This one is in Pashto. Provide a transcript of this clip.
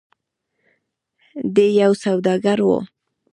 د ی یو سوداګر و.